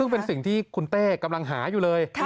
ซึ่งเป็นสิ่งที่คุณเต้กำลังหาอยู่เลย